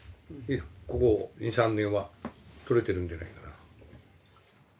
ここ２３年はとれてるんでないかなあ。